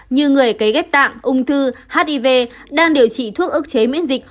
như người cấy ghép tạng ung thư hiv đang điều trị thuốc ức chế miễn dịch